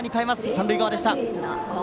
三塁側でした。